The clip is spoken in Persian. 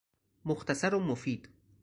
مختصر ومفید